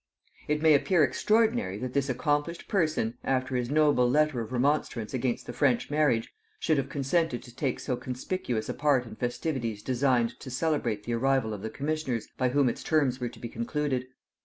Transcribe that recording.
It may appear extraordinary that this accomplished person, after his noble letter of remonstrance against the French marriage, should have consented to take so conspicuous a part in festivities designed to celebrate the arrival of the commissioners by whom its terms were to be concluded.